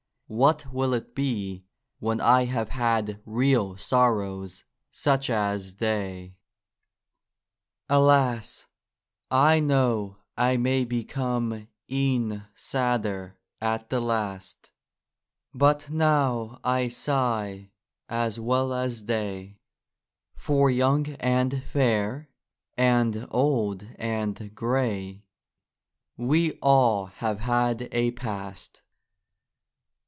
What will it be when I have had Real sorrows, such as they ? Alas ! I know I may become E'en sadder at the last, But now I sigh, as well as they ; For young and fair, and old and grey. We all have had a Past